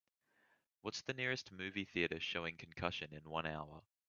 what's the nearest movie theatre showing Concussion in one hour